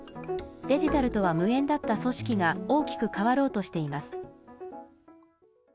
デジタルとは無縁だった組織が大きく変わろうとしています。